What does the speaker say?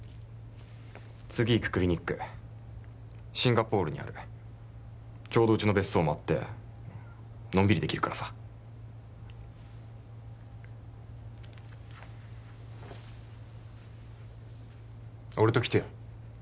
次行くクリニックシンガポールにあるちょうどうちの別荘もあってのんびりできるからさ俺と来てよ